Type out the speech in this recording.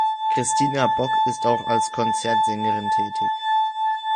Christina Bock ist auch als Konzertsängerin tätig.